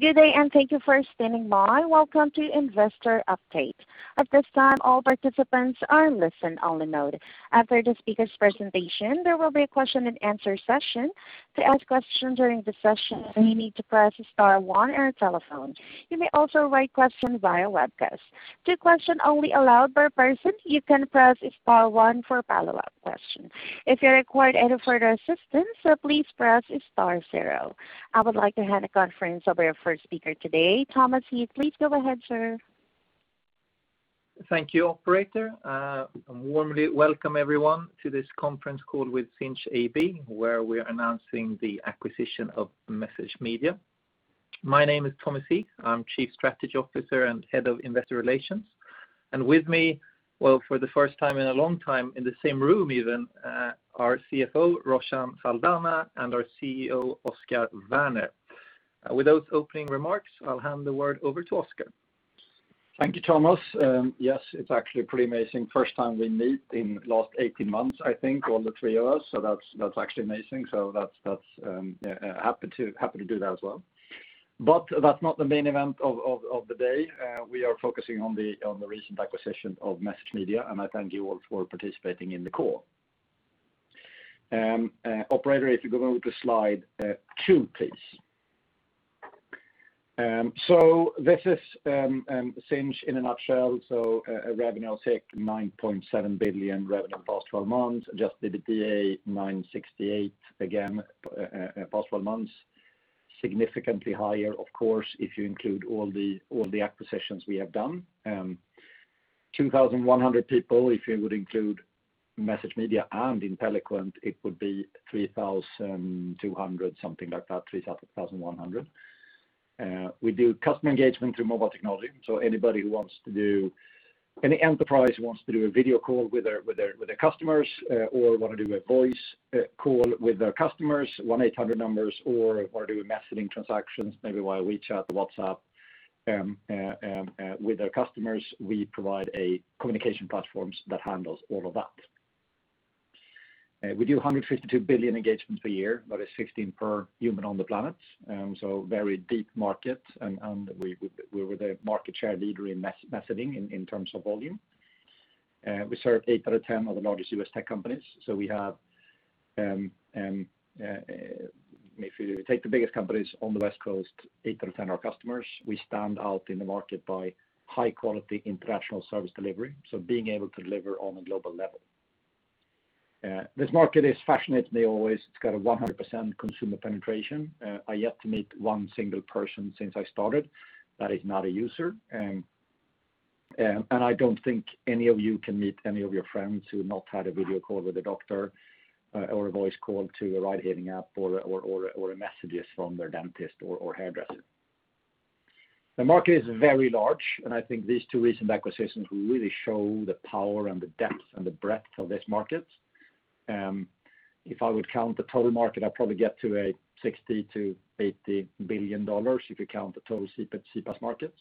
Good day, and thank you for standing by. Welcome to Investor Update. At this time, all participants are listen only mode. After the speaker's presentation, there will be a question and answer session. To ask questions during the session, you need to press star one on your telephone. You may also write questions via webcast. Two questions are only allowed per person. You can press star one for a follow-up question. If you require any further assistance, please press star zero. I would like to hand the conference over to our first speaker today, Thomas Heath. Please go ahead, sir. Thank you, operator. Warmly welcome everyone to this conference call with Sinch AB, where we're announcing the acquisition of MessageMedia. My name is Thomas Heath. I'm Chief Strategy Officer and Head of Investor Relations. With me, well, for the first time in a long time, in the same room even, our CFO, Roshan Saldanha, and our CEO, Oscar Werner. With those opening remarks, I'll hand the word over to Oscar. Thank you, Thomas. It's actually pretty amazing. First time we meet in the last 18 months, I think, all the three of us. That's actually amazing. Happy to do that as well. That's not the main event of the day. We are focusing on the recent acquisition of MessageMedia. I thank you all for participating in the call. Operator, if you go to slide two, please. This is Sinch in a nutshell. Revenue, 9.7 billion, relevant past 12 months. Adjusted EBITDA, 968 million, again, past 12 months. Significantly higher, of course, if you include all the acquisitions we have done. 2,100 people. If you would include MessageMedia and Inteliquent, it would be 3,200, something like that, 3,100. We do customer engagement through mobile technology. Any enterprise who wants to do a video call with their customers or want to do a voice call with their customers, 1-800 numbers or want to do messaging transactions, maybe via WeChat or WhatsApp with their customers, we provide a communication platform that handles all of that. We do 152 billion engagements per year. That is 15 per human on the planet, so very deep market, and we're the market share leader in messaging in terms of volume. We serve eight out of 10 of the largest U.S. tech companies. If you take the biggest companies on the West Coast, eight out of 10 are customers. We stand out in the market by high-quality international service delivery, so being able to deliver on a global level. It's got 100% consumer penetration. I have yet to meet one single person since I started that is not a user, and I don't think any of you can meet any of your friends who have not had a video call with a doctor or a voice call to a ride-hailing app or a message from their dentist or hairdresser. The market is very large, and I think these two recent acquisitions really show the power and the depth and the breadth of this market. If I would count the total market, I'd probably get to $60 billion-$80 billion, if you count the total CPaaS markets.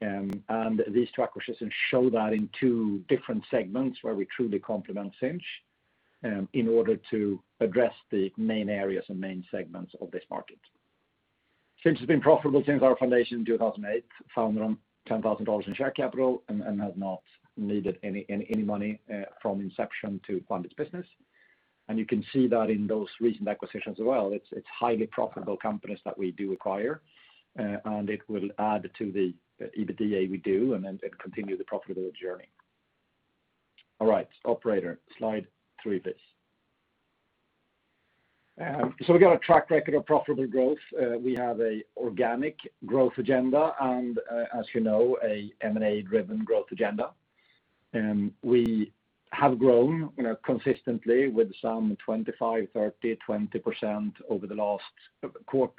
These two acquisitions show that in two different segments where we truly complement Sinch in order to address the main areas and main segments of this market. Sinch has been profitable since our foundation in 2008, founded on $10,000 in share capital, has not needed any money from inception to fund its business. You can see that in those recent acquisitions as well. It's highly profitable companies that we do acquire, it will add to the EBITDA we do, then continue the profitable journey. All right. Operator, slide three, please. We've got a track record of profitable growth. We have an organic growth agenda and, as you know, an M&A-driven growth agenda. We have grown consistently with some 25%, 30%, 20%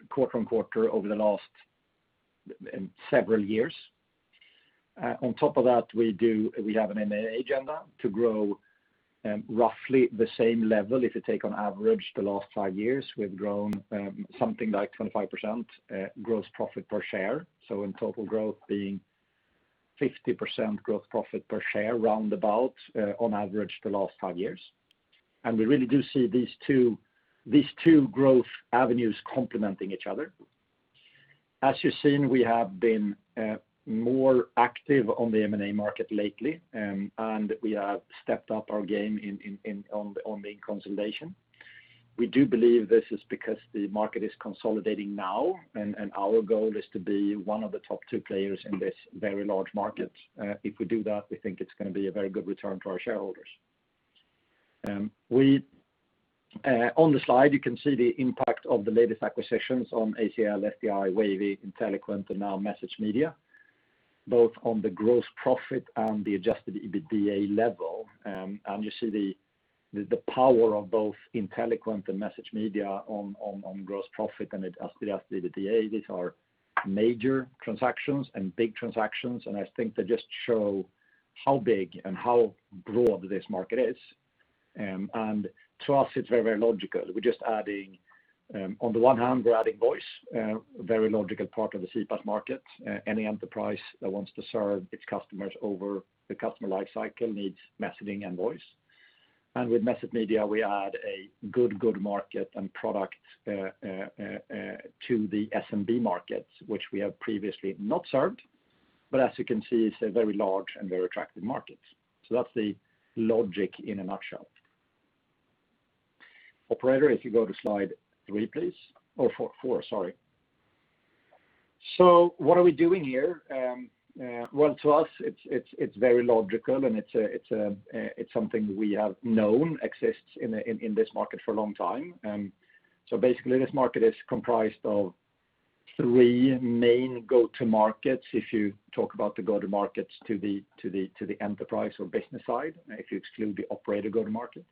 quarter-on-quarter over the last several years. On top of that, we have an M&A agenda to grow roughly the same level. If you take on average the last five years, we've grown something like 25% gross profit per share. In total growth being 50% gross profit per share roundabout on average the last five years. We really do see these two growth avenues complementing each other. As you've seen, we have been more active on the M&A market lately, and we have stepped up our game on the consolidation. We do believe this is because the market is consolidating now, and our goal is to be one of the top two players in this very large market. If we do that, we think it's going to be a very good return to our shareholders. On the slide, you can see the impact of the latest acquisitions on ACL, SDI, Wavy, Inteliquent and now MessageMedia, both on the gross profit and the adjusted EBITDA level. You see the power of both Inteliquent and MessageMedia on gross profit and adjusted EBITDA, which are major transactions and big transactions, and I think they just show how big and how broad this market is. To us, it's very logical. On the one hand, we're adding voice, a very logical part of the CPaaS market. Any enterprise that wants to serve its customers over the customer life cycle needs messaging and voice. With MessageMedia, we add a good market and product to the SMB markets, which we have previously not served. As you can see, it's a very large and very attractive market. That's the logic in a nutshell. Operator, if you go to slide three, please. Oh, four, sorry. What are we doing here? To us, it's very logical, and it's something we have known exists in this market for a long time. Basically, this market is comprised of three main go-to markets, if you talk about the go-to markets to the enterprise or business side, if you exclude the operator go-to market.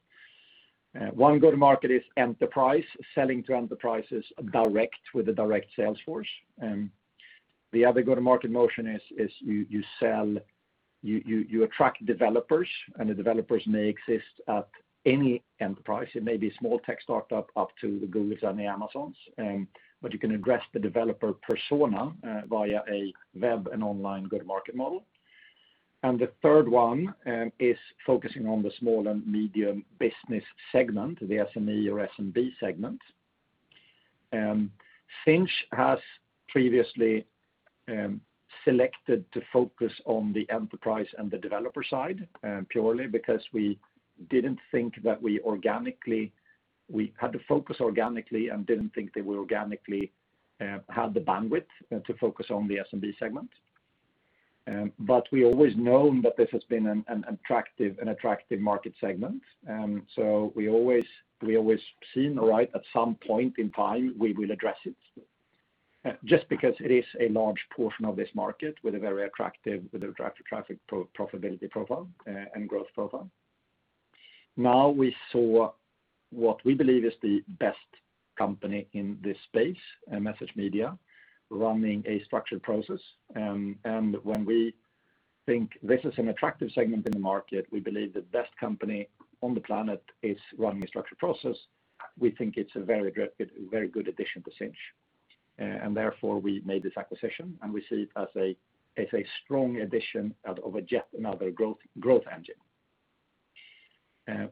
One go-to market is enterprise, selling to enterprises direct with a direct sales force. The other go-to market motion is you attract developers, and the developers may exist at any enterprise. It may be a small tech startup up to the Googles and the Amazons. You can address the developer persona via a web and online go-to-market model. The third one is focusing on the small and medium business segment, the SME or SMB segment. Sinch has previously selected to focus on the enterprise and the developer side purely because we had to focus organically and didn't think that we organically had the bandwidth to focus on the SMB segment. We've always known that this has been an attractive market segment. We've always seen, at some point in time, we will address it. Just because it is a large portion of this market with a very attractive profitability profile and growth profile. Now we saw what we believe is the best company in this space, MessageMedia, running a structured process. When we think this is an attractive segment in the market, we believe the best company on the planet is running a structured process, we think it's a very good addition to Sinch. Therefore, we made this acquisition, and we see it as a strong addition of yet another growth engine.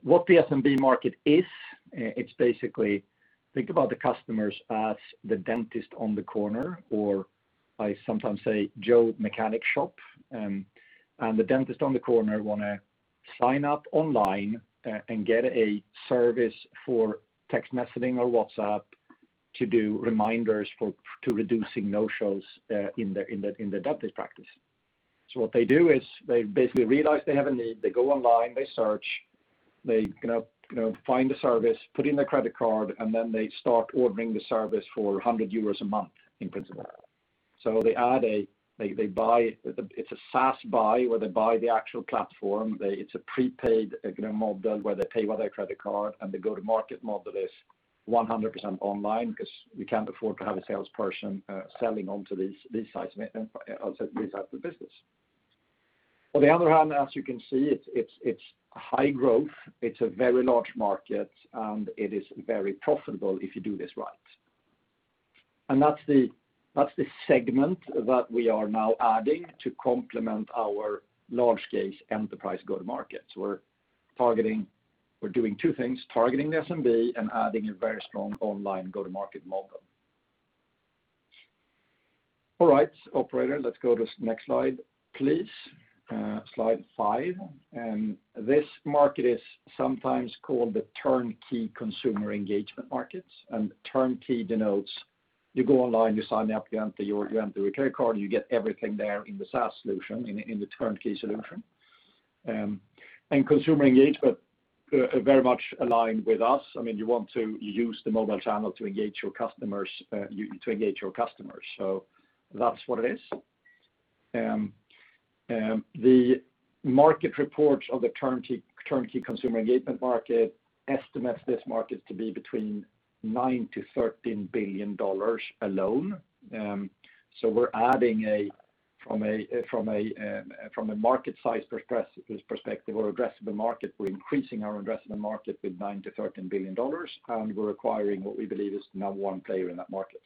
What the SMB market is, it's basically, think about the customers as the dentist on the corner, or I sometimes say Joe mechanic shop. The dentist on the corner wants to sign up online and get a service for text messaging or WhatsApp to do reminders to reducing no-shows in their dentist practice. What they do is they basically realize they have a need, they go online, they search, they find the service, put in their credit card, and then they start ordering the service for 100 euros a month, in principle. It's a SaaS buy where they buy the actual platform. It's a prepaid model where they pay with their credit card, and the go-to-market model is 100% online because we can't afford to have a salesperson selling onto these types of business. On the other hand, as you can see, it's high growth, it's a very large market, and it is very profitable if you do this right. That's the segment that we are now adding to complement our large-scale enterprise go-to markets. We're doing two things, targeting SMB and adding a very strong online go-to-market model. All right. Operator, let's go to the next slide, please. Slide five. This market is sometimes called the turnkey consumer engagement markets. Turnkey denotes you go online, you sign up, you enter your credit card, you get everything there in the SaaS solution, in the turnkey solution. Consumer engagement, very much aligned with us. You want to use the mobile channel to engage your customers. That's what it is. The market reports of the turnkey consumer engagement market estimates this market to be between $9 billion-$13 billion alone. From a market size perspective, we're addressing the market. We're increasing our addressable market with $9 billion-$13 billion, and we're acquiring what we believe is the number one player in that market.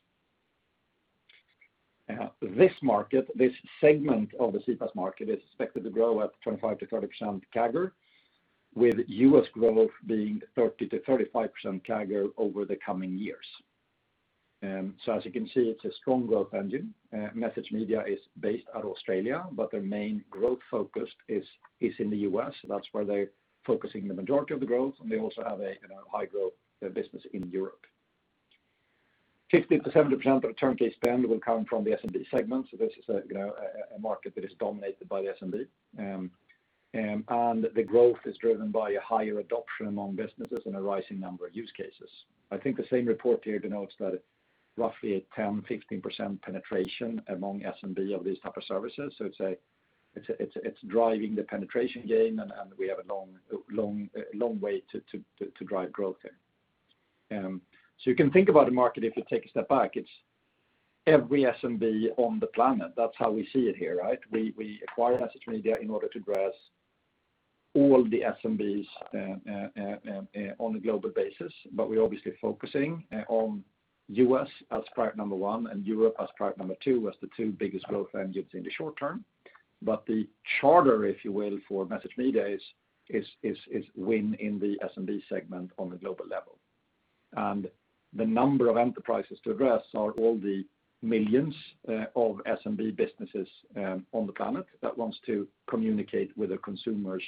This segment of the CPaaS market is expected to grow at 25%-30% CAGR, with U.S. growth being 30%-35% CAGR over the coming years. As you can see, it's a strong growth engine. MessageMedia is based out of Australia, but their main growth focus is in the U.S., so that's where they're focusing the majority of the growth, and they also have a high-growth business in Europe. 50%-70% of turnkey spend will come from the SMB segment. This is a market that is dominated by SMB. The growth is driven by a higher adoption among businesses and a rising number of use cases. I think the same report here denotes that roughly a 10%, 15% penetration among SMB of these type of services. It's driving the penetration game, and we have a long way to drive growth there. You can think about the market if you take a step back, it's every SMB on the planet. That's how we see it here. We acquire MessageMedia in order to address all the SMBs on a global basis. We're obviously focusing on U.S. as track number one and Europe as track number two as the two biggest growth engines in the short term. The charter, if you will, for MessageMedia is win in the SMB segment on a global level. The number of enterprises to address are all the millions of SMB businesses on the planet that want to communicate with their consumers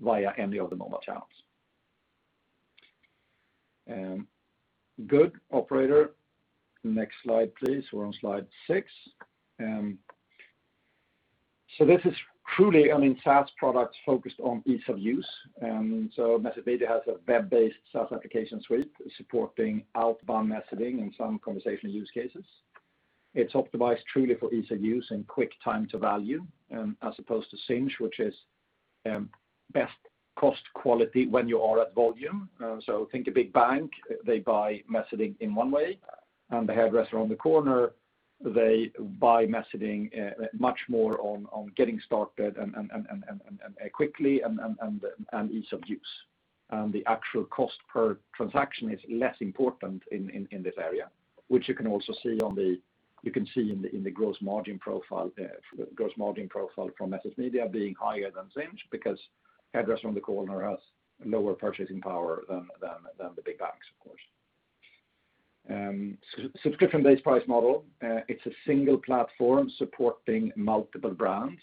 via any of the mobile channels. Good. Operator, next slide, please. We're on slide six. This is truly a SaaS product focused on ease of use. MessageMedia has a web-based SaaS application suite supporting outbound messaging in some conversation use cases. It's optimized truly for ease of use and quick time to value as opposed to Sinch, which is best cost quality when you are at volume. Think a big bank, they buy messaging in one way, and the hairdresser on the corner, they buy messaging much more on getting started and quickly and ease of use. The actual cost per transaction is less important in this area, which you can also see in the gross margin profile from MessageMedia being higher than Sinch because hairdresser on the corner has lower purchasing power than the big banks, of course. Subscription-based price model. It's a single platform supporting multiple brands.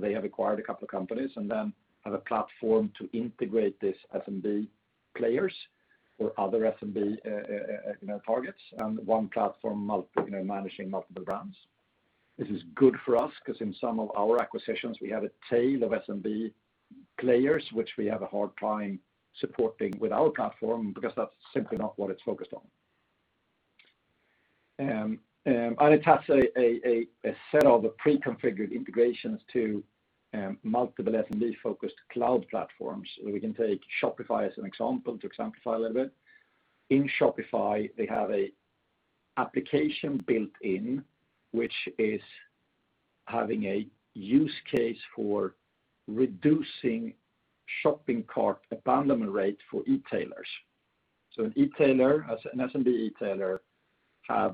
They have acquired a couple of companies and then have a platform to integrate these SMB players or other SMB targets and one platform managing multiple brands. This is good for us because in some of our acquisitions, we had a tail of SMB players which we have a hard time supporting with our platform because that's simply not what it's focused on. It has a set of pre-configured integrations to multiple SMB-focused cloud platforms. We can take Shopify as an example to exemplify a little bit. In Shopify, they have an application built in, which is having a use case for reducing shopping cart abandonment rate for e-tailers. An SMB e-tailer,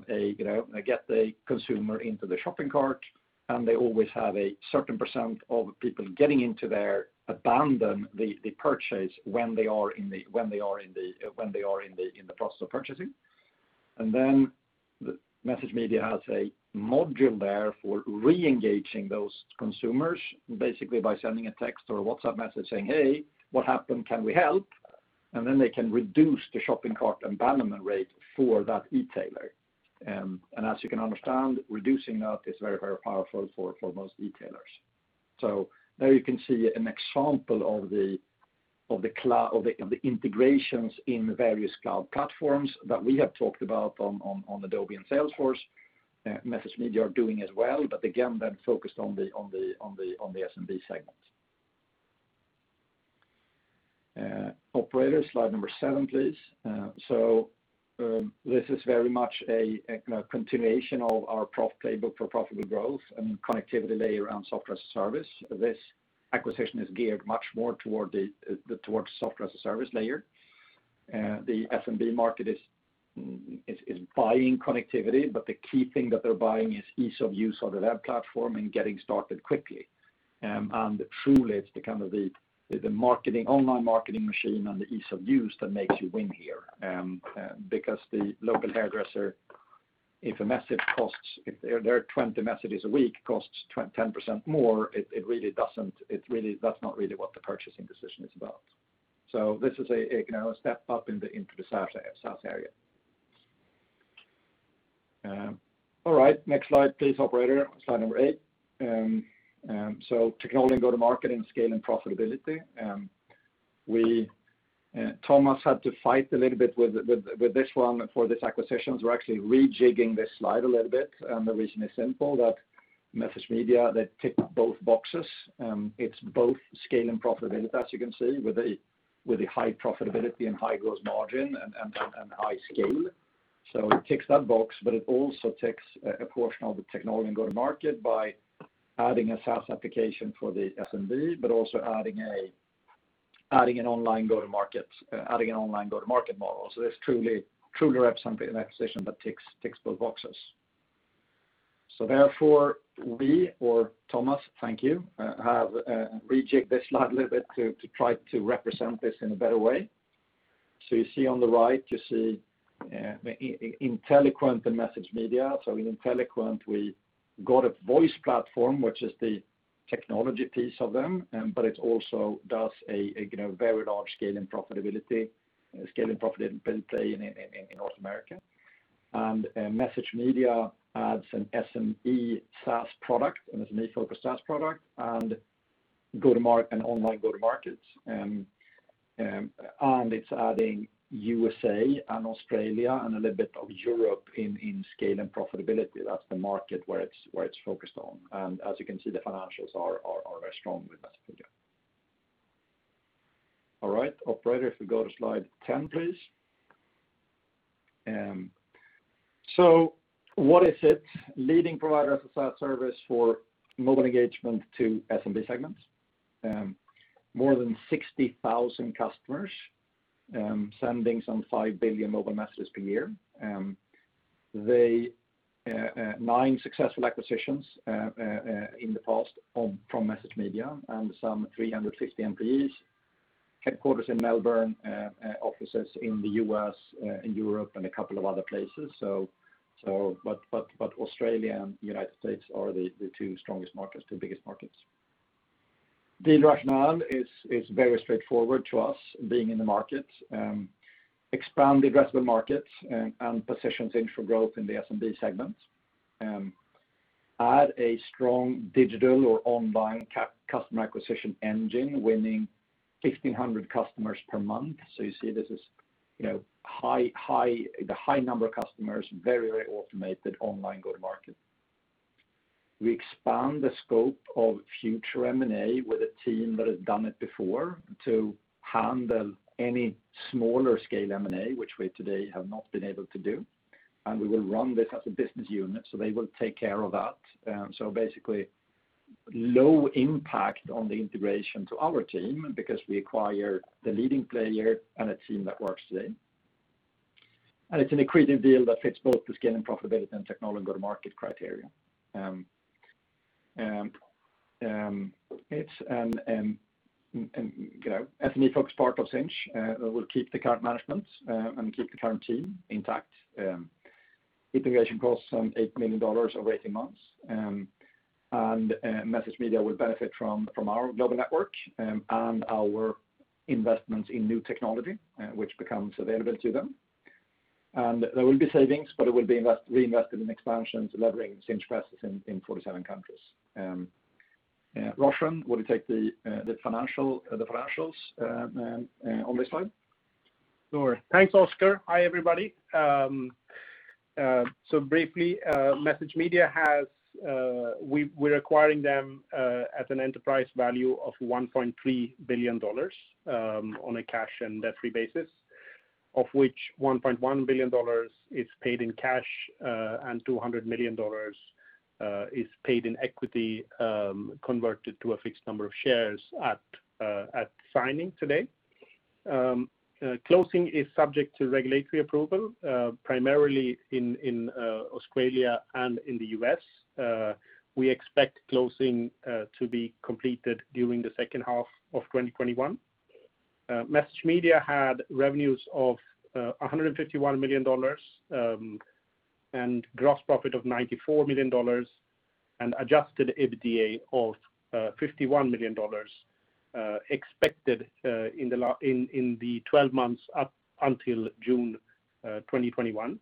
they get the consumer into the shopping cart, and they always have a certain percent of people getting into there abandon the purchase when they are in the process of purchasing. MessageMedia has a module there for re-engaging those consumers basically by sending a text or a WhatsApp message saying, "Hey, what happened? Can we help?" They can reduce the shopping cart abandonment rate for that e-tailer. As you can understand, reducing that is very powerful for most e-tailers. Now you can see an example of the integrations in various cloud platforms that we have talked about on Adobe and Salesforce. MessageMedia are doing as well, but again, they're focused on the SMB segment. Operator, slide number seven, please. This is very much a continuation of our profit playbook for profitable growth and connectivity layer around software as a service. This acquisition is geared much more towards the software as a service layer. The SMB market is buying connectivity, the key thing that they're buying is ease of use of the dev platform and getting started quickly. Truly, it's the online marketing machine and the ease of use that makes you win here because the local hairdresser, if their 20 messages a week costs 10% more, that's not really what the purchasing decision is about. This is a step up into the SaaS area. All right, next slide, please, operator. Slide number eight. Technology, go-to-market, and scale, and profitability. Thomas had to fight a little bit with this one for this acquisition. We're actually rejigging this slide a little bit, the reason is simple, that MessageMedia, they tick both boxes. It's both scale and profitability, as you can see, with the high profitability and high gross margin and high scale. It ticks that box, but it also ticks a portion of the technology and go-to-market by adding a SaaS application for the SMB, but also adding an online go-to-market model. It's truly an SMB acquisition that ticks both boxes. Therefore, we or Thomas, thank you, have rejigged this slide a little bit to try to represent this in a better way. You see on the right, you see Inteliquent and MessageMedia. In Inteliquent, we got a voice platform, which is the technology piece of them, but it also does a very large scale in profitability play in North America. MessageMedia adds an SMB focused SaaS product and online go-to-markets. It's adding U.S. and Australia and a little bit of Europe in scale and profitability. That's the market where it's focused on. As you can see, the financials are strong with MessageMedia. All right. Operator, if we go to slide 10, please. What is it? Leading provider of a SaaS service for mobile engagement to SMB segments. More than 60,000 customers sending some 5 billion mobile messages per year. Nine successful acquisitions in the past from MessageMedia and some 350 employees. Headquarters in Melbourne, offices in the U.S., Europe, and a couple of other places. Australia and the United States are the two strongest markets, the biggest markets. The rationale is very straightforward to us being in the market. Expand the addressable markets and position Sinch for growth in the SMB segment. Add a strong digital or online customer acquisition engine, winning 1,500 customers per month. You see this is a high number of customers, very automated online go-to-market. We expand the scope of future M&A with a team that had done it before to handle any smaller scale M&A, which we today have not been able to do, and we will run the business unit, so they will take care of that. Basically, low impact on the integration to our team because we acquire the leading player and a team that works today. It's an accretive deal that fits both the scale and profitability and technology go-to-market criteria. It's an ethnic focus part of Sinch that will keep the current management and keep the current team intact. Integration costs some $8 million over 18 months. MessageMedia will benefit from our global network and our investment in new technology, which becomes available to them. There will be savings, but it will be reinvested in expansion to leverage Sinch presence in 47 countries. Roshan will take the financials on this one. Sure. Thanks, Oscar. Hi, everybody. Briefly, MessageMedia, we're acquiring them at an enterprise value of $1.3 billion, on a cash and debt-free basis, of which $1.1 billion is paid in cash, and $200 million is paid in equity, converted to a fixed number of shares at signing today. Closing is subject to regulatory approval, primarily in Australia and in the U.S. We expect closing to be completed during the second half of 2021. MessageMedia had revenues of $151 million, and gross profit of $94 million, and adjusted EBITDA of $51 million expected in the 12 months up until June 2021.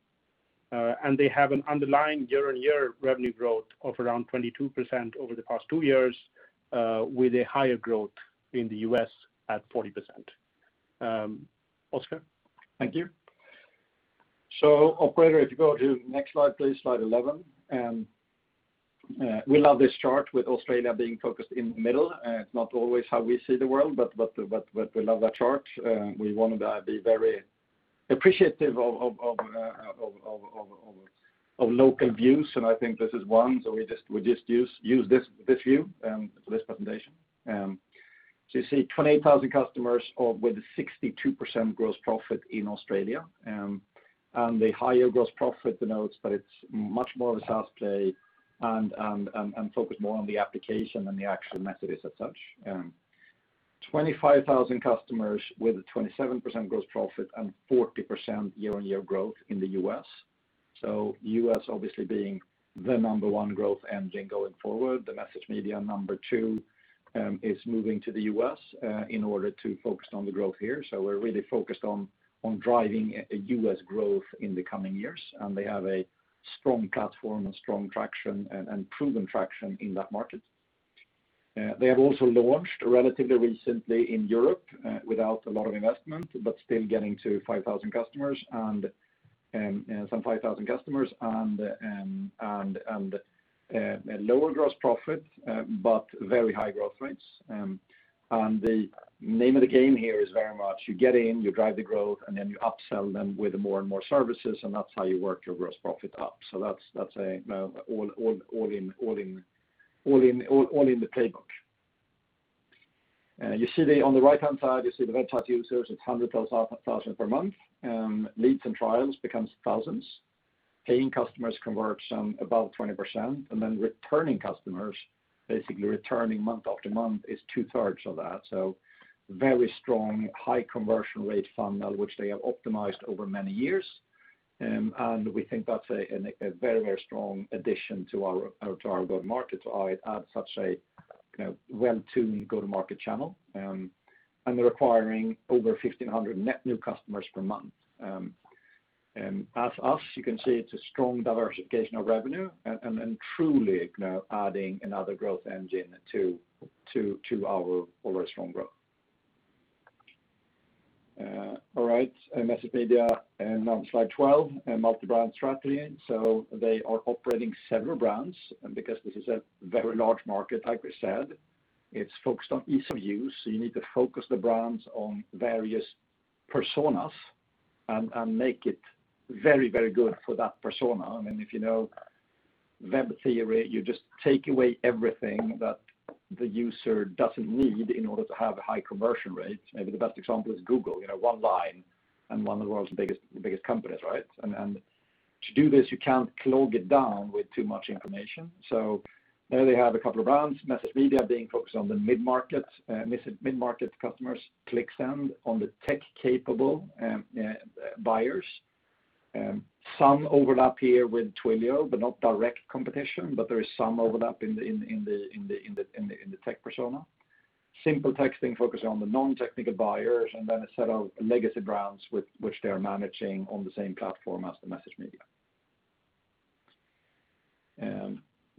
They have an underlying year-on-year revenue growth of around 22% over the past two years, with a higher growth in the U.S. at 40%. Oscar, thank you. Operator, if you go to the next slide, please, slide 11. We love this chart with Australia being focused in the middle. Not always how we see the world, but we love that chart. We want to be very appreciative of local views, and I think this is one. We just use this view for this presentation. You see 28,000 customers with a 62% gross profit in Australia. The higher gross profit denotes that it's much more of a SaaS play and focused more on the application than the actual messages as such. 25,000 customers with a 27% gross profit and 40% year-on-year growth in the U.S. U.S. obviously being the number one growth engine going forward. The MessageMedia number two is moving to the U.S. in order to focus on the growth here. We're really focused on driving the U.S. growth in the coming years, and they have a strong platform and strong traction and proven traction in that market. They have also launched relatively recently in Europe without a lot of investment, but still getting to 5,000 customers and lower gross profit, but very high growth rates. The name of the game here is very much you get in, you drive the growth, and then you upsell them with more and more services, and that's how you work your gross profit up. That's all in the playbook. You see on the right-hand side, you see the web chat users, it's 100,000+ per month, and leads and trials becomes thousands. Paying customers convert about 20%, and then returning customers, basically returning month after month, is two-thirds of that. Very strong, high conversion rate funnel, which they have optimized over many years. We think that's a very strong addition to our go-to-market. It adds such a well-tuned go-to-market channel. They're acquiring over 1,500 net new customers per month. As such, you can see it's a strong diversification of revenue and truly adding another growth engine to our already strong growth. All right. MessageMedia on slide 12, multi-brand strategy. They are operating several brands because this is a very large market, like we said. It's focused on ease of use, so you need to focus the brands on various personas and make it very good for that persona. If you know VEM theory, you just take away everything that the user doesn't need in order to have a high conversion rate. Maybe the best example is Google, one line and one of the world's biggest companies. To do this, you can't clog it down with too much information. There we have a couple of brands, MessageMedia being focused on the mid-market customers, ClickSend on the tech-capable buyers. Some overlap here with Twilio, but not direct competition, but there is some overlap in the tech persona. SimpleTexting focusing on the non-technical buyers, and then a set of legacy brands which they are managing on the same platform as the MessageMedia.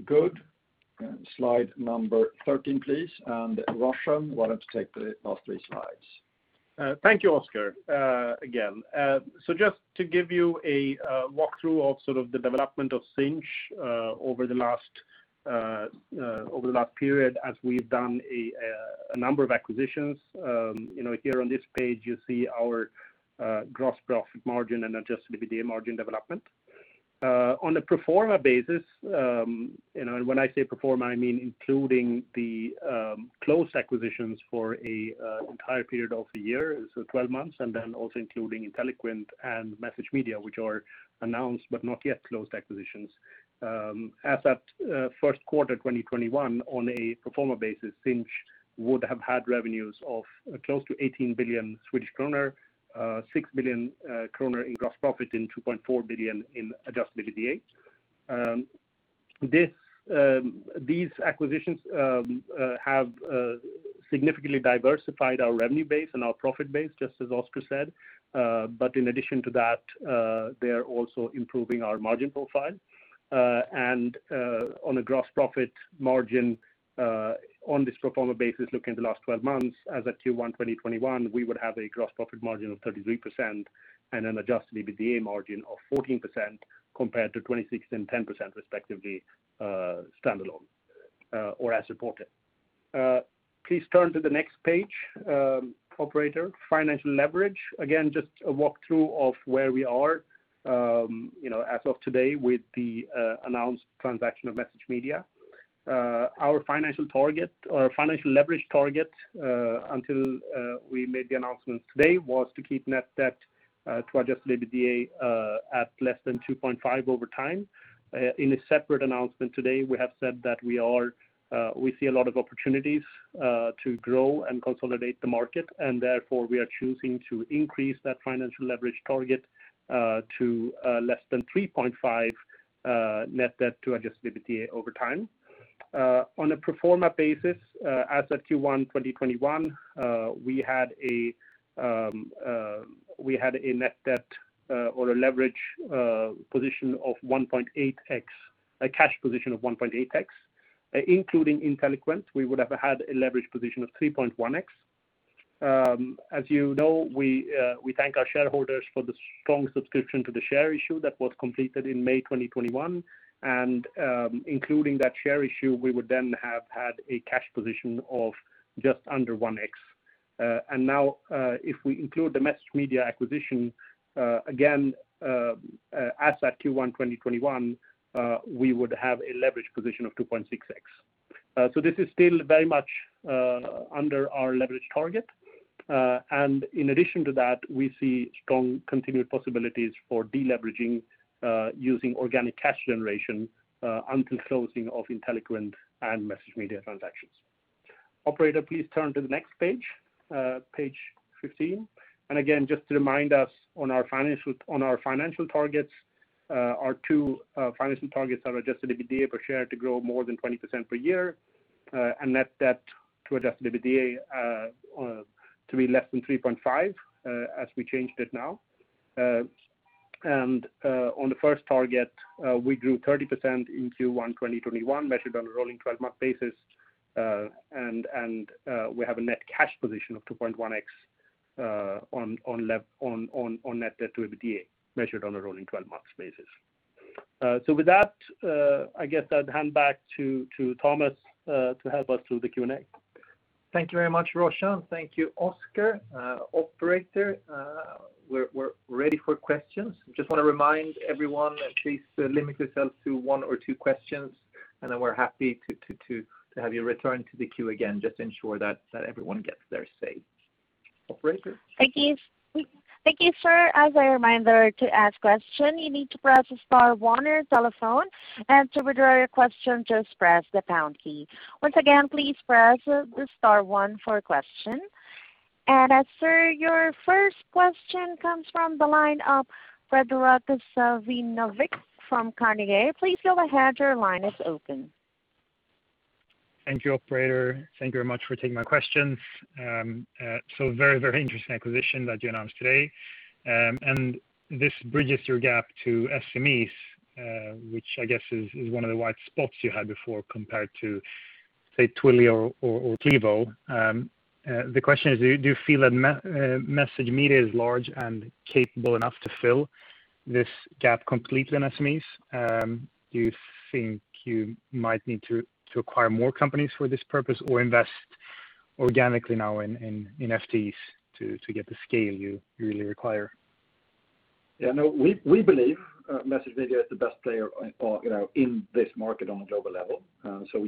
Good. Slide number 13, please. Roshan, why don't you take the last three slides? Thank you, Oscar, again. Just to give you a walkthrough of the development of Sinch over the last period as we've done a number of acquisitions. Here on this page, you see our gross profit margin and adjusted EBITDA margin development. On a pro forma basis, and when I say pro forma, I mean including the closed acquisitions for an entire period of a year, 12 months, and then also including Inteliquent and MessageMedia, which are announced but not yet closed acquisitions. As at first quarter 2021, on a pro forma basis, Sinch would have had revenues of close to 18 billion Swedish kronor, 6 billion kronor in gross profit, and 2.4 billion in adjusted EBITDA. These acquisitions have significantly diversified our revenue base and our profit base, just as Oscar said. In addition to that, they're also improving our margin profile. On the gross profit margin on this pro forma basis looking at the last 12 months as of Q1 2021, we would have a gross profit margin of 33% and an adjusted EBITDA margin of 14% compared to 26% and 10% respectively, standalone or as reported. Please turn to the next page, operator. Financial leverage. Again, just a walkthrough of where we are as of today with the announced transaction of MessageMedia. Our financial leverage target until we made the announcement today was to keep net debt to adjusted EBITDA at less than 2.5 over time. In a separate announcement today, we have said that we see a lot of opportunities to grow and consolidate the market, and therefore we are choosing to increase that financial leverage target to less than 3.5 net debt to adjusted EBITDA over time. On a pro forma basis as of Q1 2021, we had a net debt or a leverage position of 1.8x, a cash position of 1.8x. Including Inteliquent, we would have had a leverage position of 3.1x. As you know, we thank our shareholders for the strong subscription to the share issue that was completed in May 2021. Including that share issue, we would then have had a cash position of just under 1x. Now if we include the MessageMedia acquisition, again, as at Q1 2021, we would have a leverage position of 2.6x. This is still very much under our leverage target. In addition to that, we see strong continued possibilities for de-leveraging using organic cash generation until closing of Inteliquent and MessageMedia transactions. Operator, please turn to the next page 15. Again, just to remind us on our financial targets, our two financial targets are adjusted EBITDA per share to grow more than 20% per year and net debt to adjusted EBITDA to be less than 3.5 as we changed it now. On the first target, we grew 30% in Q1 2021, measured on a rolling 12-month basis. We have a net cash position of 2.1x on net debt to EBITDA measured on a rolling 12-month basis. With that, I guess I'll hand back to Thomas to help us through the Q&A. Thank you very much, Roshan. Thank you, Oscar. Operator, we're ready for questions. Just want to remind everyone, please limit yourself to one or two questions, and then we're happy to have you return to the queue again just to ensure that everyone gets their say. Operator? Thank you, sir. As a reminder, to ask question, you need to press the star one on your telephone, and to withdraw your question, just press the pound key. Once again, please press star one for question. Sir, your first question comes from the line of Predrag Savinovic from Carnegie. Please go ahead, your line is open. Thank you, operator. Thank you very much for taking my questions. Very interesting acquisition that you announced today. This bridges your gap to SMEs, which I guess is one of the white spots you had before compared to, say, Twilio or Plivo. The question is, do you feel that MessageMedia is large and capable enough to fill this gap completely in SMEs? Do you think you might need to acquire more companies for this purpose or invest organically now in FTEs to get the scale you really require. Yeah, no, we believe MessageMedia is the best player in this market on a global level.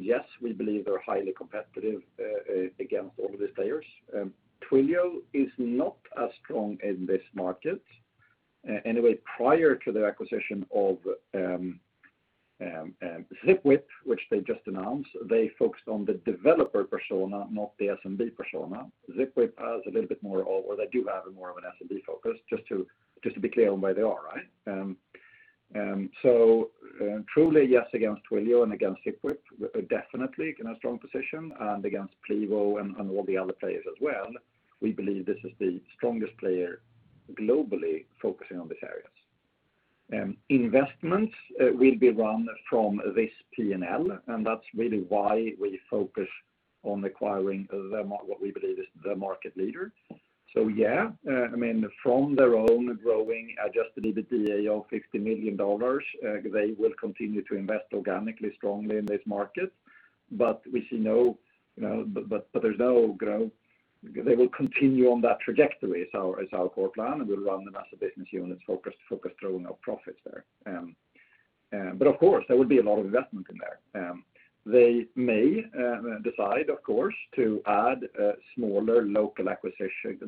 Yes, we believe they're highly competitive against all of these players. Twilio is not as strong in this market anyway, prior to their acquisition of Zipwhip, which they just announced. They focused on the developer persona, not the SMB persona. Zipwhip has a little bit more, or they do have more of an SMB focus, just to be clear on where they are. Truly, yes, against Twilio and against Zipwhip, definitely in a strong position and against Plivo and all the other players as well. We believe this is the strongest player globally focusing on this area. Investments will be run from this P&L, and that's really why we focus on acquiring them and what we believe is the market leader. Yeah, from their own growing adjusted EBITDA of $50 million, they will continue to invest organically, strongly in this market. There's no growth. They will continue on that trajectory is our plan, and we'll run them as a business unit focused on our profits there. Of course, there will be a lot of investment in there. They may decide, of course, to add smaller local acquisitions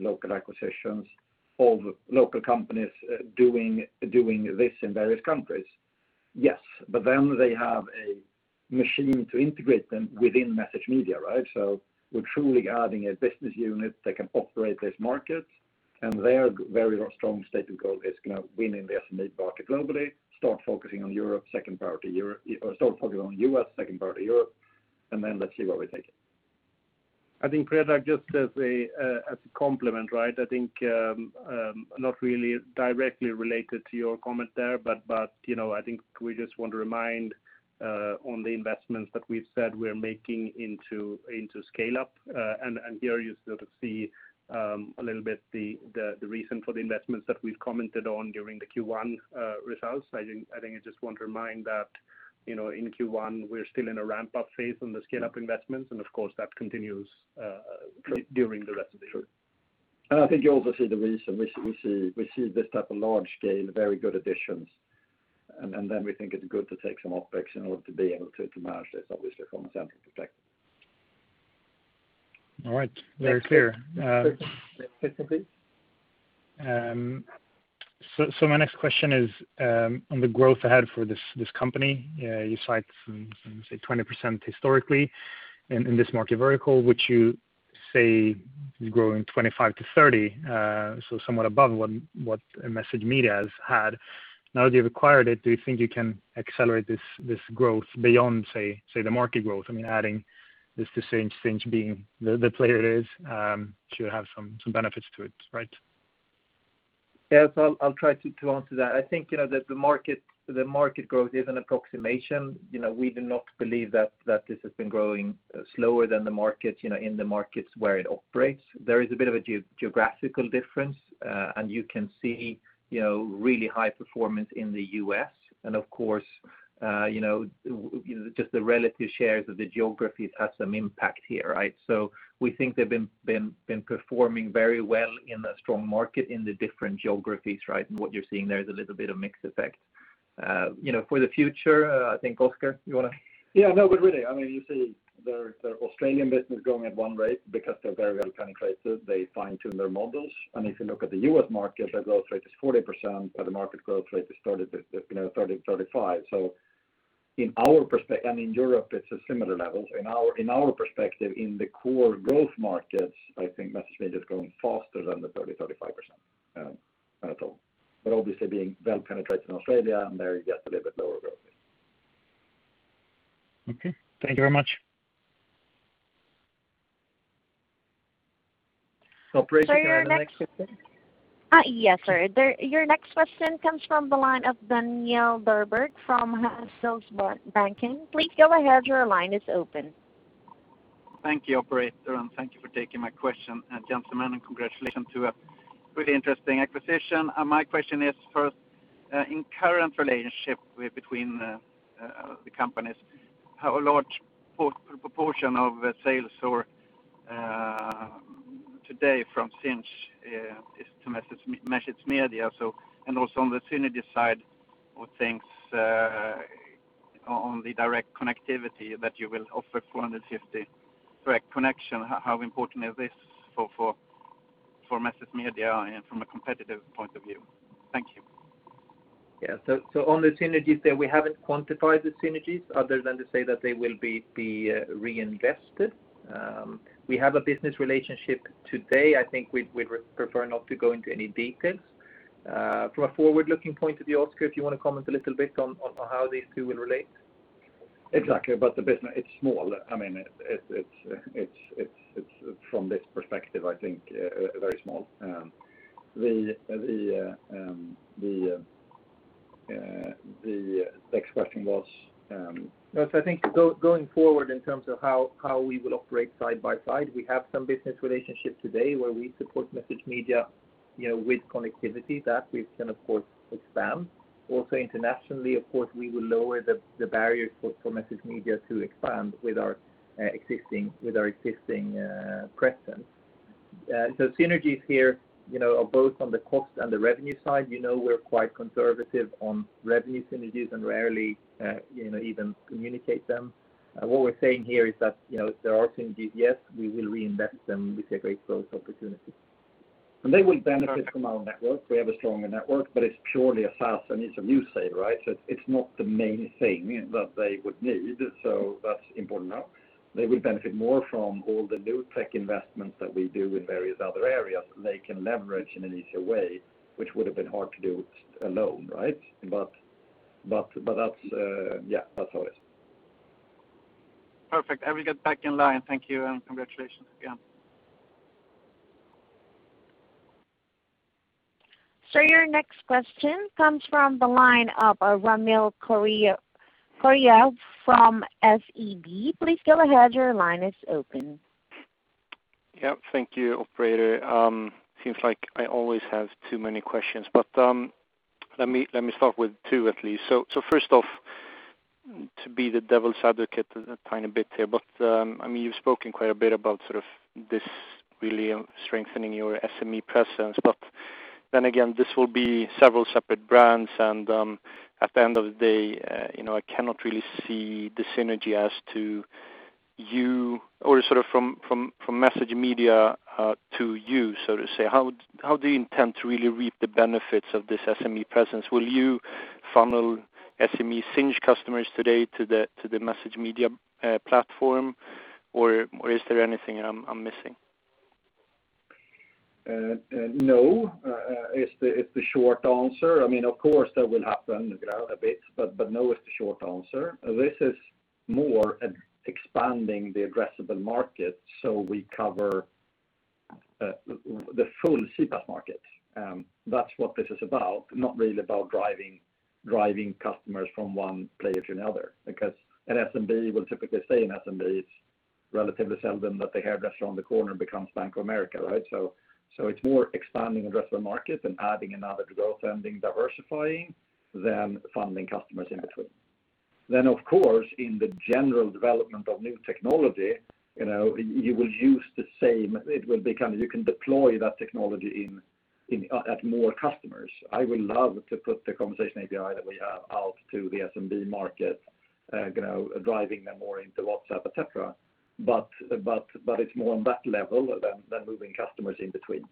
of local companies doing this in various countries. They have a machine to integrate them within MessageMedia, right? We're truly adding a business unit that can operate these markets, and their very strong stated goal is winning the SMB market globally. Start focusing on Europe, second priority Europe. Start focusing on U.S., second priority Europe, let's see where we take it. I think, Predrag, just as a complement I think, not really directly related to your comment there, but I think we just want to remind on the investments that we've said we're making into scale-up, and here you sort of see a little bit the reason for the investments that we've commented on during the Q1 results. I think I just want to remind that, in Q1, we're still in a ramp-up phase on the scale-up investments, and of course, that continues during the rest of this year. I think you also see the reason we see this type of large deal, very good additions, and then we think it's good to take some optics in order to be able to manage this obviously from a central perspective. All right. Very clear. Yes. Next question, please. My next question is on the growth ahead for this company. You cite some say 20% historically in this market vertical, which you say is growing 25%-30%. So somewhat above what MessageMedia has had. Now that you've acquired it, do you think you can accelerate this growth beyond, say, the market growth? I mean, adding this distinction, Sinch being the player it is, should have some benefits to it, right? Yes, I'll try to answer that. I think, the market growth is an approximation. We do not believe that this has been growing slower than the market, in the markets where it operates. There is a bit of a geographical difference, and you can see really high performance in the U.S., and of course, just the relative shares of the geographies have some impact here, right? We think they've been performing very well in that strong market in the different geographies, right? What you're seeing there is a little bit of mixed effect. For the future, I think, Oscar, you want to? Yeah, no, but really, you see their Australian business growing at one rate because they're very well penetrated. They fine-tune their models. If you look at the U.S. market, their growth rate is 40%, but the market growth rate is 30%-35%. In our perspective, and in Europe, it's a similar level. In our perspective, in the core growth markets, I think MessageMedia is growing faster than the 30%-35% at all. Obviously being well penetrated in Australia, and there you get a little bit lower growth rate. Okay. Thank you very much. Operator, next question. Yes, sir. Your next question comes from the line of Daniel Djurberg from Handelsbanken. Please go ahead. Thank you, operator. Thank you for taking my question. Gentlemen, congratulations on a pretty interesting acquisition. My question is, first, in current relationship between the companies, how large a proportion of sales today from Sinch is to MessageMedia? Also on the synergy side of things, on the direct connectivity that you will offer for MessageMedia, direct connection, how important is this for MessageMedia and from a competitive point of view? Thank you. On the synergies there, we haven't quantified the synergies other than to say that they will be reinvested. We have a business relationship today. I think we'd prefer not to go into any details. From a forward-looking point of view, Oscar, do you want to comment a little bit on how these two will relate? Exactly. The business, it's small. I mean, from this perspective, I think very small. The next question was? Yes, I think going forward in terms of how we will operate side by side, we have some business relationships today where we support MessageMedia with connectivity, that we can of course expand. Also internationally, of course, we will lower the barrier for MessageMedia to expand with our existing presence. Synergies here are both on the cost and the revenue side. You know we're quite conservative on revenue synergies and rarely even communicate them. What we're saying here is that there are synergies, yes, we will reinvest them. We see very close opportunities. They will benefit from our network. We have a stronger network, but it's purely a SaaS and it's a new sale. It's not the main thing that they would need. That's important now. They will benefit more from all the new tech investments that we do in various other areas, and they can leverage in an easier way, which would've been hard to do alone, right? That's how it is. Perfect, we get back in line. Thank you, and congratulations again. Your next question comes from the line of Ramil Koria from SEB. Please go ahead. Your line is open. Yep. Thank you, operator. Seems like I always have too many questions. Let me start with two at least. First off, to be the devil's advocate a tiny bit here, but you've spoken quite a bit about this really strengthening your SME presence. Then again, this will be several separate brands and at the end of the day, I cannot really see the synergy as to you or from MessageMedia to you, so to say. How do you intend to really reap the benefits of this SME presence? Will you funnel SME Sinch customers today to the MessageMedia platform? Is there anything I'm missing? No, is the short answer. Of course, that will happen a bit, no is the short answer. This is more expanding the addressable market so we cover the full CCaaS market. That's what this is about. Not really about driving customers from one player to another, because an SMB will typically stay an SMB. It's relatively seldom that the hairdresser on the corner becomes Bank of America, right? It's more expanding addressable markets and adding another growth engine, diversifying, than funneling customers in between. Of course, in the general development of new technology, you can deploy that technology at more customers. I would love to put the conversation API that we have out to the SMB market, driving them more into WhatsApp, et cetera. It's more on that level than moving customers in between.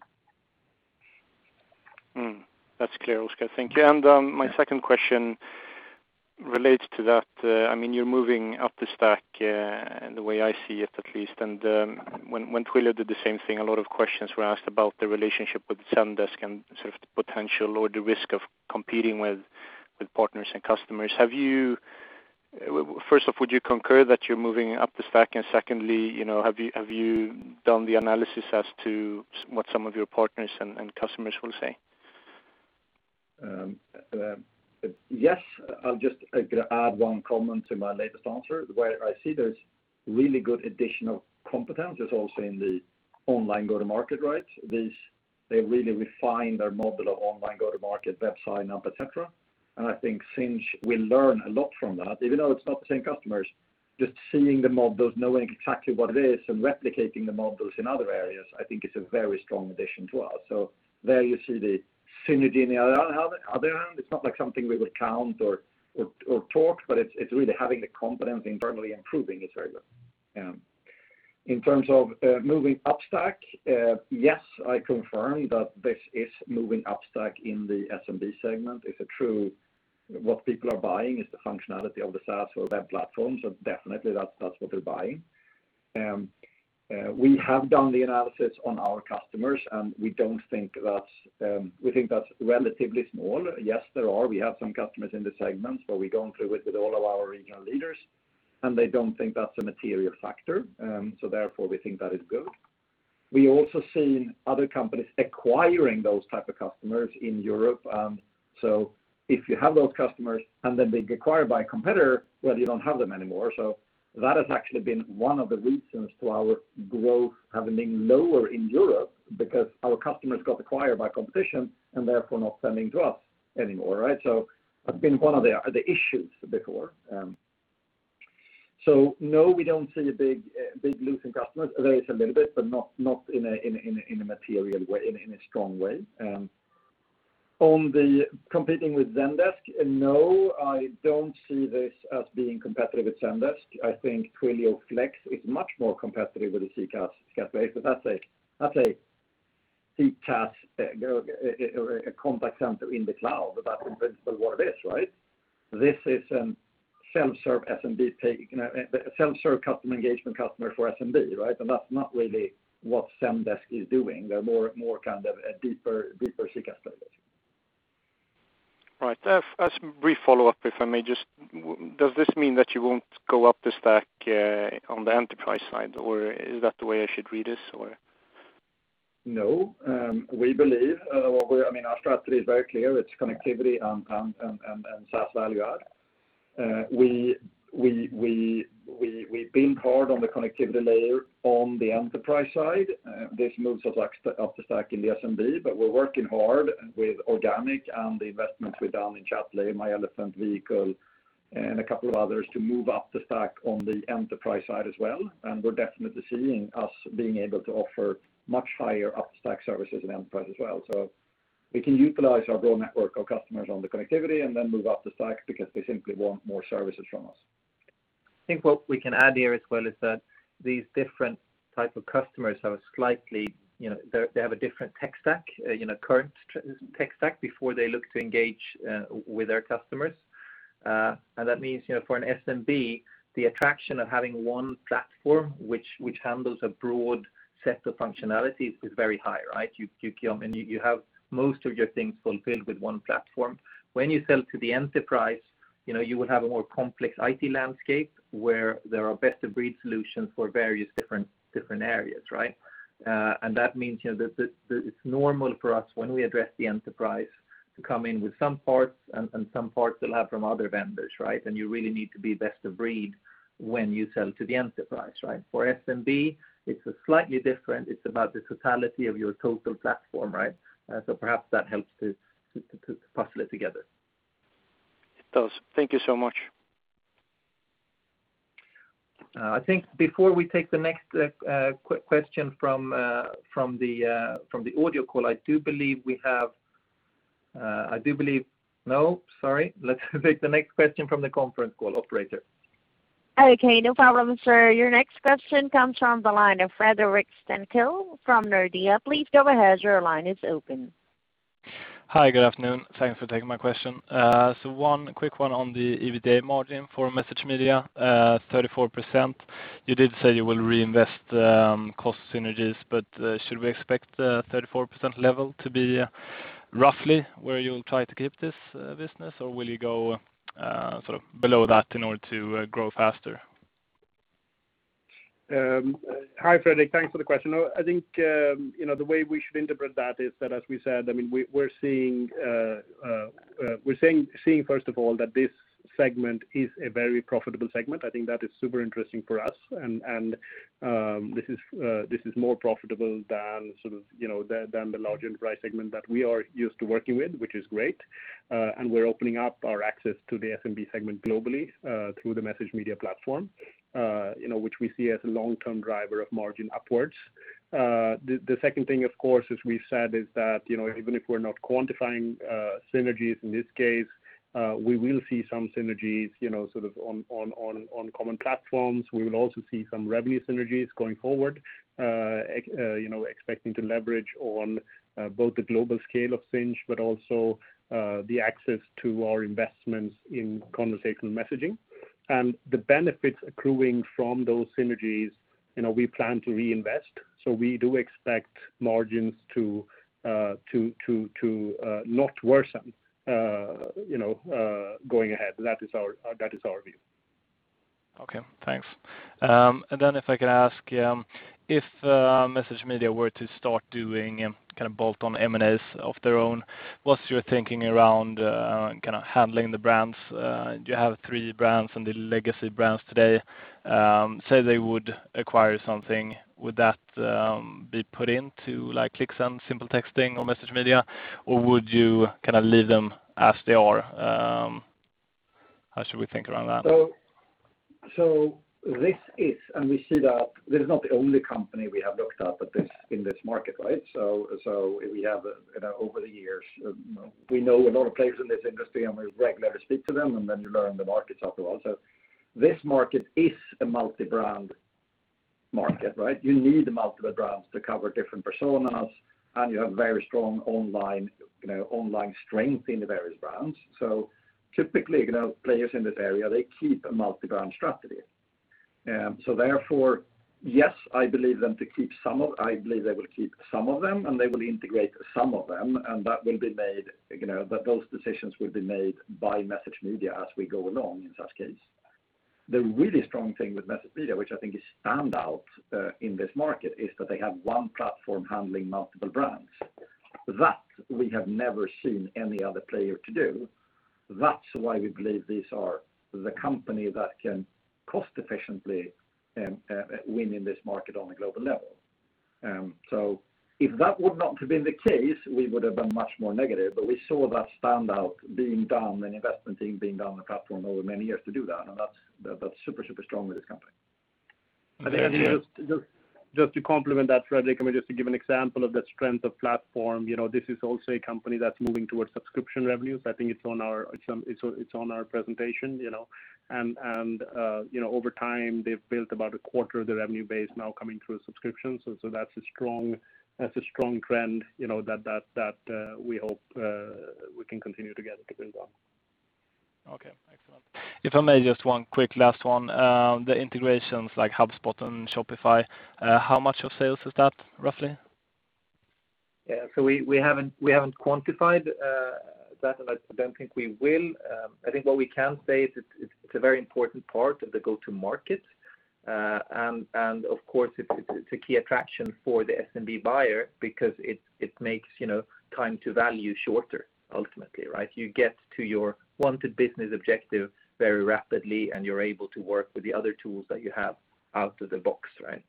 That's clear. My second question relates to that. You're moving up the stack, the way I see it at least. When Twilio did the same thing, a lot of questions were asked about the relationship with Zendesk and potential or the risk of competing with partners and customers. First off, would you concur that you're moving up the stack? Secondly, have you done the analysis as to what some of your partners and customers will say? Yes. I'll just add one comment to my latest answer. The way I see there's really good addition of competence is also in the online go-to-market rights. They really refine their model of online go-to-market website and et cetera. I think Sinch will learn a lot from that, even though it's not the same customers, just seeing the models, knowing exactly what it is and replicating the models in other areas, I think it's a very strong addition to us. There you see the synergy on the other end. It's not like something we would count or talk, but it's really having a competence internally improving is very good. In terms of moving upstack, yes, I confirm that this is moving upstack in the SMB segment. What people are buying is the functionality of the SaaS or web platform. Definitely that's what they're buying. We have done the analysis on our customers, and we think that's relatively small. Yes, there are. We have some customers in the segment, but we go through it with all of our regional leaders, and they don't think that's a material factor. Therefore, we think that is good. We also seen other companies acquiring those type of customers in Europe. If you have those customers and then they get acquired by a competitor, well, you don't have them anymore. That has actually been one of the reasons to our growth having been lower in Europe because our customers got acquired by competition and therefore not selling to us anymore. That's been one of the issues before. No, we don't see a big losing customers there. It's a little bit, but not in a material way, in a strong way. On the competing with Zendesk, no, I don't see this as being competitive with Zendesk. I think Twilio Flex is much more competitive with a CCaaS way. That's a deep CCaaS, a contact center in the cloud. That's what it is, right? This is some self-serve customer engagement customers for SMB, right? That's not really what Zendesk is doing. They're more kind of a deeper CCaaS solution. Right. As a brief follow-up, if I may just, does this mean that you won't go up the stack on the enterprise side, or is that the way I should read this? No. We believe our strategy is very clear. It's connectivity and SaaS value add. We build hard on the connectivity layer on the enterprise side. This moves us up the stack in the SMB, but we're working hard with organic and the investments we've done in Chatlayer, myElefant, Vehicle, and a couple of others to move up the stack on the enterprise side as well. We're definitely seeing us being able to offer much higher up stack services in enterprise as well. We can utilize our broad network of customers on the connectivity and then move up the stacks because they simply want more services from us. I think what we can add here as well is that these different type of customers have a different tech stack, current tech stack before they look to engage with our customers. That means, for an SMB, the attraction of having one platform which handles a broad set of functionalities is very high, right? You have most of your things fulfilled with one platform. When you sell to the enterprise, you would have a more complex IT landscape where there are best-of-breed solutions for various different areas, right? That means that it's normal for us when we address the enterprise to come in with some parts, and some parts they'll have from other vendors, right? You really need to be best of breed when you sell to the enterprise, right? For SMB, it's slightly different. It's about the totality of your total platform, right? Perhaps that helps to puzzle it together. It does. Thank you so much. I think before we take the next question from the audio call. No, sorry. Let's take the next question from the conference call, operator. Okay, no problem, sir. Your next question comes from the line of Fredrik Stenkil from Nordea. Please go ahead. Your line is open. Hi, good afternoon. Thanks for taking my question. One quick one on the EBITDA margin for MessageMedia, 34%. You did say you will reinvest cost synergies, should we expect the 34% level to be roughly where you'll try to keep this business, or will you go below that in order to grow faster? Hi, Fredrik. Thanks for the question. I think, the way we should interpret that is that as we said, we're seeing first of all, that this segment is a very profitable segment. I think that is super interesting for us. This is more profitable than the large enterprise segment that we are used to working with, which is great. We're opening up our access to the SMB segment globally, through the MessageMedia platform, which we see as a long-term driver of margin upwards. The second thing, of course, as we said, is that even if we're not quantifying synergies in this case, we will see some synergies, sort of on common platforms. We will also see some revenue synergies going forward, expecting to leverage on both the global scale of Sinch, but also the access to our investments in conversational messaging. The benefits accruing from those synergies, we plan to reinvest. We do expect margins to not worsen going ahead. That is our view. Okay, thanks. If I could ask, if MessageMedia were to start doing bolt-on M&As of their own, what's your thinking around handling the brands? Do you have three brands and the legacy brands today? Say they would acquire something, would that be put into like ClickSend, SimpleTexting or MessageMedia, or would you leave them as they are? How should we think around that? This is, and we see that this is not the only company we have looked at in this market, right? We have over the years, we know a lot of players in this industry, and we regularly speak to them, and then we learn the market as well. This market is a multi-brand market, right? You need multiple brands to cover different personas, and you have very strong online strength in the various brands. Typically, players in this area, they keep a multi-brand strategy. Therefore, yes, I believe they will keep some of them, and they will integrate some of them, and those decisions will be made by MessageMedia as we go along in such case. The really strong thing with MessageMedia, which I think is standout in this market, is that they have one platform handling multiple brands. That we have never seen any other player to do. That's why we believe these are the company that can cost efficiently win in this market on a global level. If that would not have been the case, we would've been much more negative, but we saw that standout being done, an investment being done on the platform over many years to do that. That's super strong with this company. Just to complement that, Fredrik, just to give an example of the strength of platform, this is also a company that's moving towards subscription revenues. I think it's on our presentation. Over time, they've built about a quarter of the revenue base now coming through a subscription. That's a strong trend that we hope we can continue to get going well. Okay, excellent. If I may, just one quick last one. The integrations like HubSpot and Shopify, how much of sales is that roughly? We haven't quantified that, and I don't think we will. I think what we can say is it's a very important part of the go-to market. Of course, it's a key attraction for the SMB buyer because it makes time to value shorter ultimately, right? You get to your wanted business objective very rapidly, and you're able to work with the other tools that you have out of the box, right?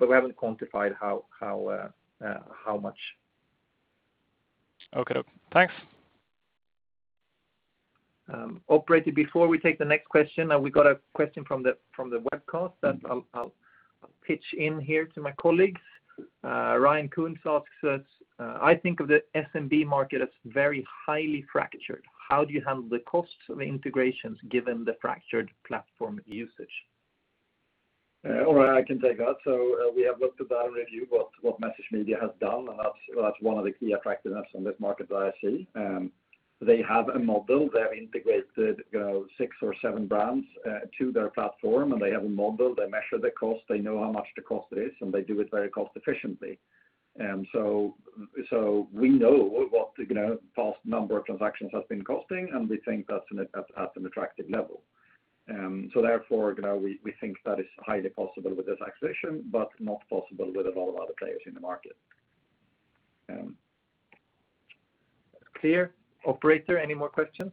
We haven't quantified how much. Okay, thanks. Operator, before we take the next question, we got a question from the webcast that I'll pitch in here to my colleagues. Ryan Koontz asks us, "I think of the SMB market as very highly fractured. How do you handle the costs of integrations given the fractured platform usage? I can take that. We have looked at that already, what MessageMedia has done, and that's one of the key attractiveness on this market that I see. They have a model. They've integrated six or seven brands to their platform, and they have a model. They measure the cost, they know how much the cost is, and they do it very cost efficiently. We know what the past number of transactions have been costing, and we think that's at an attractive level. Therefore, we think that is highly possible with this acquisition, but not possible with a lot of other players in the market. Clear. Operator, any more questions?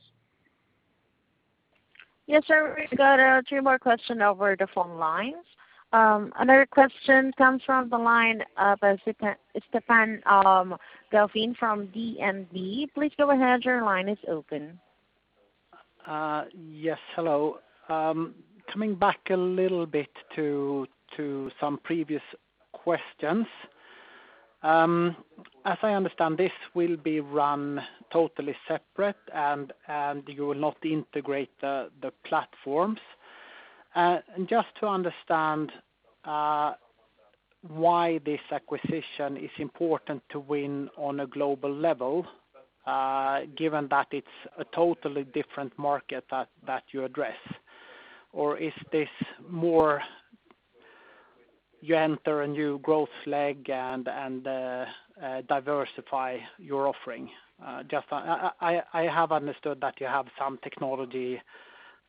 Yes, sir. We've got two more questions over the phone lines. Another question comes from the line of Stefan Gauffin from DNB. Please go ahead. Your line is open. Yes, hello. Coming back a little bit to some previous questions. As I understand, this will be run totally separate, and you will not integrate the platforms. Just to understand why this acquisition is important to win on a global level, given that it's a totally different market that you address, or is this more you enter a new growth leg and diversify your offering? I have understood that you have some technology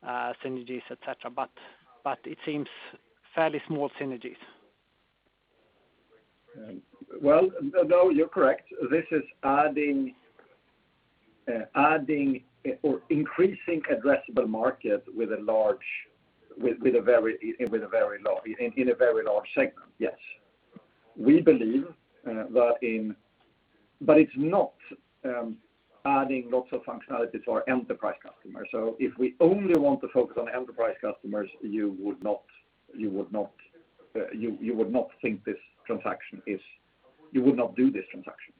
synergies, et cetera, but it seems fairly small synergies. Well, no, you're correct. This is adding or increasing addressable market in a very large segment, yes. We believe, it's not adding lots of functionality to our enterprise customers. If we only want to focus on enterprise customers, you would not do this transaction.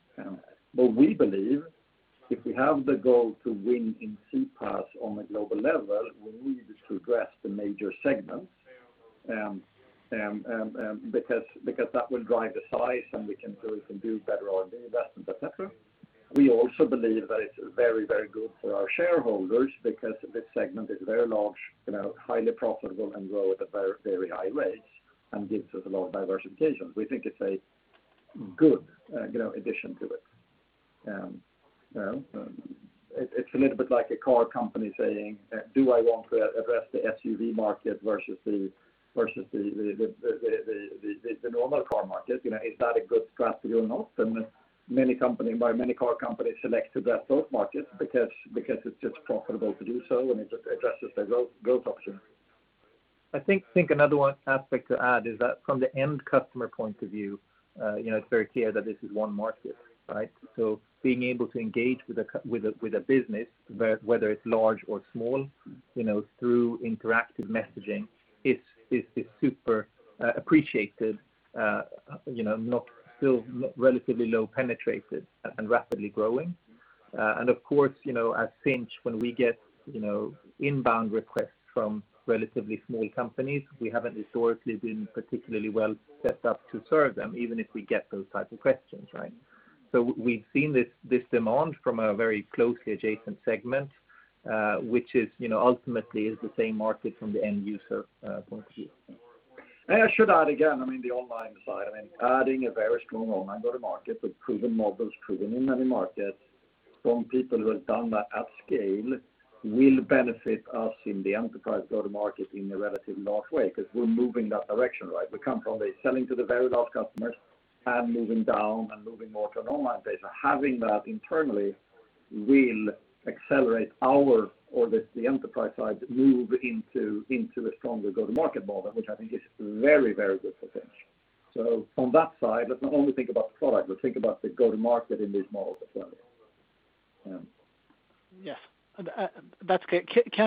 We believe if we have the goal to win in CPaaS on a global level, we need to address the major segments. That will drive the size and we can prove and do better on data, et cetera. We also believe that it's very good for our shareholders because this segment is very large, highly profitable and grow at very high rates and gives us a lot of diversification. We think it's a good addition to it. It's a little bit like a car company saying, "Do I want to address the SUV market versus the normal car market? Is that a good strategy or not? Many car companies select to address both markets because it's just profitable to do so, and it addresses their growth options. I think another aspect to add is that from the end customer point of view, it's very clear that this is one market, right? Being able to engage with a business, whether it's large or small, through interactive messaging is super appreciated, still relatively low penetrated and rapidly growing. Of course, at Sinch, when we get inbound requests from relatively small companies, we haven't historically been particularly well set up to serve them, even if we get those types of questions, right? We've seen this demand from a very closely adjacent segment, which ultimately is the same market from the end user point of view. I should add again, the online side, adding a very strong online go-to-market with proven models, proven in many markets from people who have done that at scale will benefit us in the enterprise go-to-market in a relatively large way, because we're moving that direction, right? We come from a selling to the very large customers and moving down and moving more to an online base. Having that internally will accelerate the enterprise side move into a stronger go-to-market model, which I think is very good potential. From that side, doesn't only think about product, but think about the go-to-market in this model as well. Yes. That's good. Can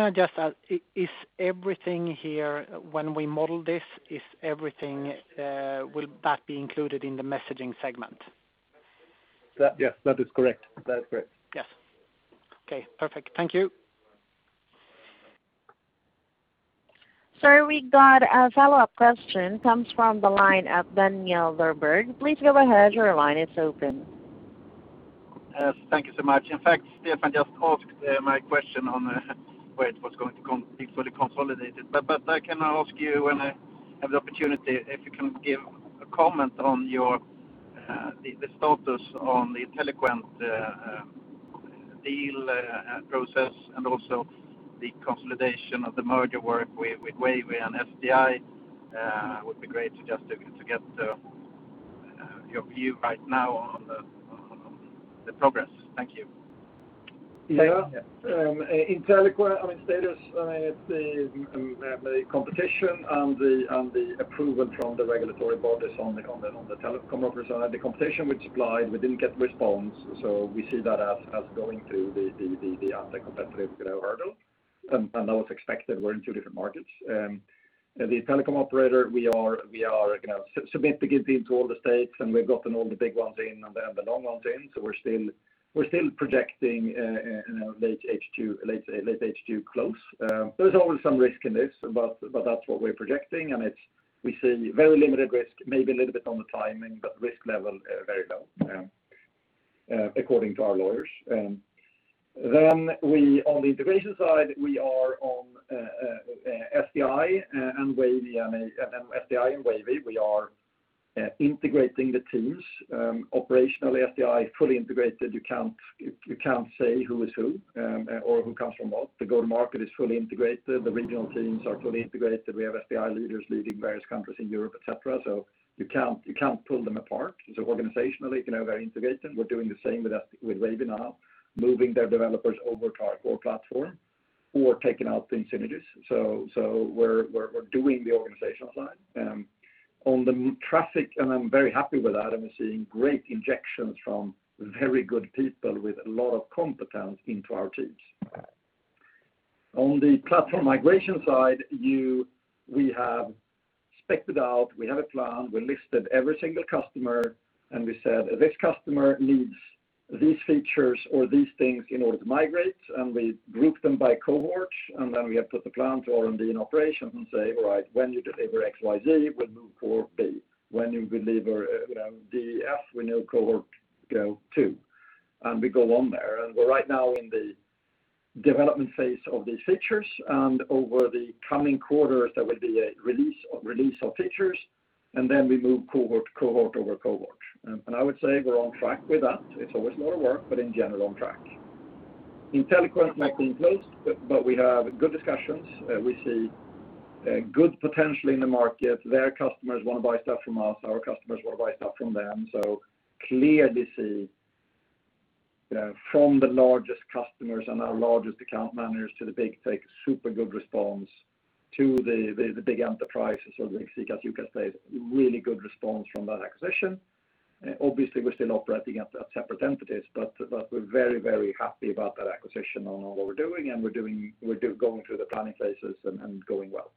I just ask, is everything here when we model this, will that be included in the messaging segment? Yes, that is correct. Yes. Okay, perfect. Thank you. Sir, we've got a follow-up question, comes from the line of Daniel Djurberg. Please go ahead. Thanks so much. In fact, Stefan just asked my question on where it was going to be fully consolidated. I can ask you when I have the opportunity, if you can give a comment on the status on the Inteliquent deal process and also the consolidation of the merger work with Wavy and SDI. It would be great to just to get your view right now on the progress. Thank you. Yeah. Inteliquent status, the competition and the approval from the regulatory bodies on the telecom operator side. The competition, we applied, we didn't get response. We see that as going through the anti-competitive hurdles. That was expected. We're in two different markets. The telecom operator, we are significantly deep to all the states, and we've gotten all the big ones in and the long-ones in. We're still projecting a late H2 close. There's always some risk in this, but that's what we're projecting, and we see very limited risk, maybe a little bit on the timing, but risk level very low according to our lawyers. On the integration side, we are on SDI and Wavy. SDI and Wavy, we are integrating the tools. Operationally, SDI fully integrated. You can't say who is who or who comes from what. The go-to-market is fully integrated. The regional teams are fully integrated. We have SDI leaders leading various countries in Europe, et cetera, so you can't pull them apart. Organizationally, they're very integrated. We're doing the same with Wavy now, moving their developers over to our core platform who are taking up these images. I'm very happy with that. I'm seeing great injections from very good people with a lot of competence into our teams. On the platform migration side, we have spec'd it out. We have a plan. We listed every single customer, and we said, "This customer needs these features or these things in order to migrate," and we grouped them by cohorts, and then we have put the plan to R&D and operations and say, "All right, when you deliver XYZ, we'll move cohort B. When you deliver SDI, we know cohort two. We go on there. We're right now in the development phase of these features, and over the coming quarters, there will be a release of features, and then we move cohort over cohort. I would say we're on track with that. It's always more work, but in general on track. Inteliquent not been closed, but we have good discussions. We see good potential in the market. Their customers want to buy stuff from us. Our customers want to buy stuff from them. Clearly see from the largest customers and our largest account managers to the big tech, super good response to the big enterprises or the X as you just said, really good response from that acquisition. Obviously, we're still operating as separate entities, but we're very, very happy about that acquisition and what we're doing, and we're going through the planning phases and going well.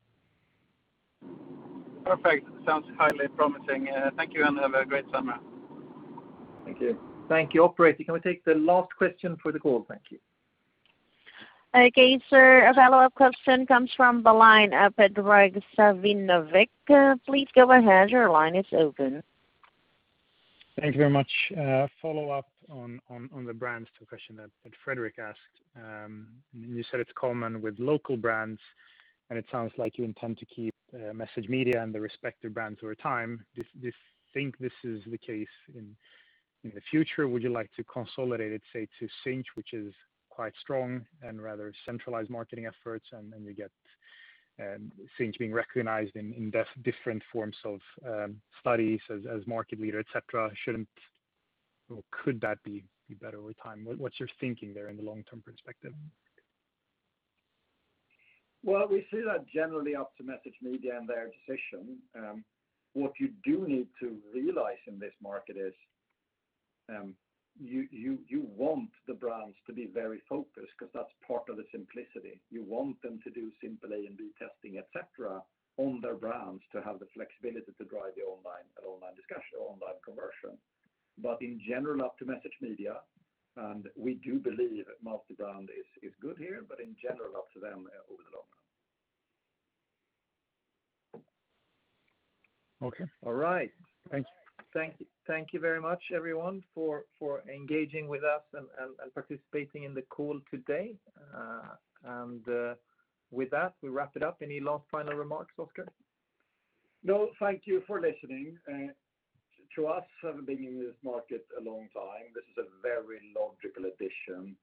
Perfect. Sounds highly promising. Thank you, and have a great summer. Thank you. Operator, can we take the last question for the call? Thank you. Okay. Sir, our follow-up question comes from the line of Predrag Savinovic. Please go ahead, your line is open. Thank you very much. A follow-up on the brands, the question that Fredrik asked. You said it's common with local brands, and it sounds like you intend to keep MessageMedia and the respective brands over time. Do you think this is the case in the future? Would you like to consolidate it, say, to Sinch, which is quite strong and rather centralized marketing efforts, and then we get Sinch being recognized in different forms of studies as market leader, et cetera. Could that be better over time? What's your thinking there in the long-term perspective? Well, we see that generally up to MessageMedia and their decision. What you do need to realize in this market is you want the brands to be very focused because that's part of the simplicity. You want them to do simple A and B testing, et cetera, on their brands to have the flexibility to drive the online and online discussion, online conversion. In general, up to MessageMedia, and we do believe multi-brand is good here, but in general, up to them, we hold it on them. Okay. All right. Thank you. Thank you very much, everyone, for engaging with us and participating in the call today. With that, we wrap it up. Any last final remarks after? No, thank you for listening. To us, having been in this market a long time, this is a very logical addition.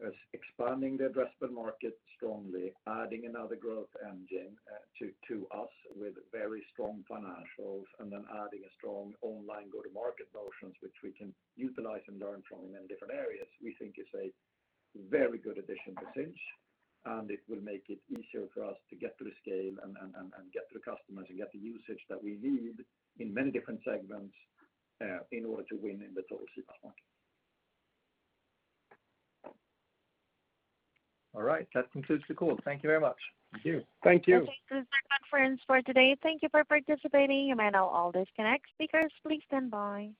It's expanding the addressable market strongly, adding another growth engine to us with very strong financials, then adding a strong online go-to-market motions, which we can utilize and learn from in many different areas. We think it's a very good addition to Sinch, and it will make it easier for us to get to the scale and get to the customers and get the usage that we need in many different segments in order to win in the total CPaaS market. All right. That concludes the call. Thank you very much. Thank you. Thank you. This is our conference for today. Thank you for participating. You may now all disconnect. Speakers, please stand by.